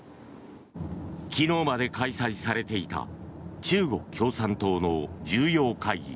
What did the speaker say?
昨日まで開催されていた中国共産党の重要会議